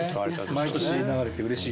毎年流れてうれしいですよね。